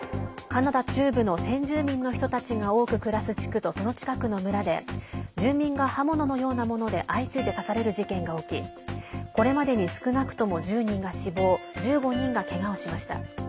カナダ中部の先住民の人たちが多く暮らす地区とその近くの村で住人が刃物のようなもので相次いで刺される事件が起きこれまでに少なくとも１０人が死亡１５人が、けがをしました。